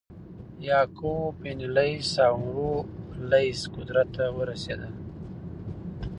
یعقوب بن لیث او عمرو لیث قدرت ته ورسېدل.